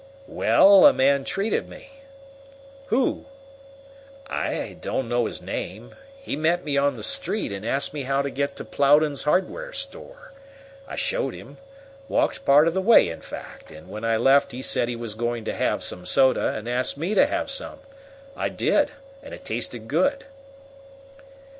"Well, a man treated me." "Who?" "I don't know his name. He met me on the street and asked me how to get to Plowden's hardware store. I showed him walked part of the way, in fact and when I left he said he was going to have some soda, and asked me to have some. I did, and it tasted good."